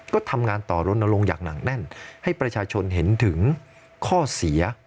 ก็ทำงานต่อรณรงค์อย่างหนักแน่นให้ประชาชนเห็นถึงข้อเสีย